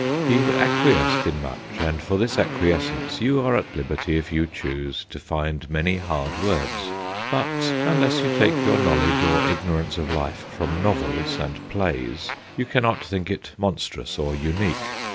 He acquiesced in much, and for this acquiescence you are at liberty, if you choose, to find many hard words. But, unless you take your know ledge or ignorance of life from novels and plays, you cannot think it monstrous or unique.